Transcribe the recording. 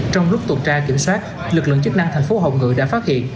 trong lúc tuần tra kiểm soát lực lượng chức năng thành phố hồng ngự đã phát hiện